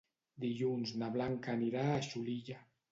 Dilluns na Blanca anirà a Xulilla.